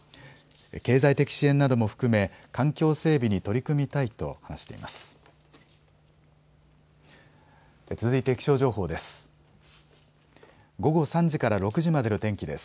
経済的支援なども含め環境整備に取り組みたいと話しています。